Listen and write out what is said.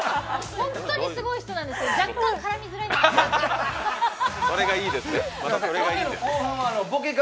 本当にすごい人なんです、若干辛みづらいですが。